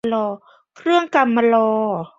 เครื่องกำมะลอ